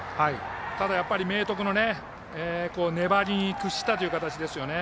ただやっぱり、明徳の粘りに屈したという形ですよね。